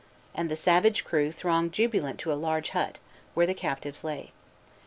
and the savage crew thronged jubilant to a large hut, where the captives lay.